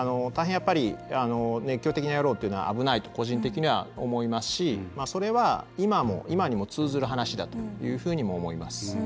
やっぱり熱狂的にやろうというのは危ないと個人的には思いますしそれは今にも通ずる話だというふうにも思います。